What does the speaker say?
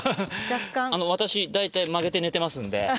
あの私大体曲げて寝てますんで。